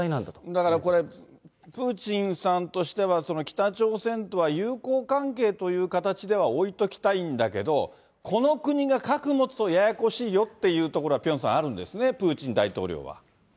だからこれ、プーチンさんとしては北朝鮮とは友好関係という形ではおいときたいんだけど、この国が核持つとややこしいよっていうところは、ピョンさんあるんですね、プーチン大統領は。